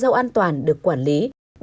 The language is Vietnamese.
rau an toàn được quản lý